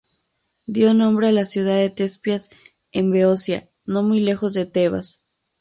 Dio nombre a la ciudad de Tespias, en Beocia, no muy lejos de Tebas.